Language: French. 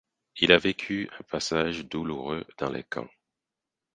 Il a vécu un passage douloureux dans les camps.